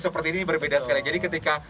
seperti ini berbeda sekali jadi ketika